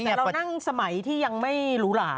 แต่เรานั่งสมัยที่ยังไม่หรูหรา